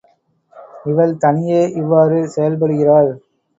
இவள் தனியே இவ்வாறு செயல்படுகிறாள்.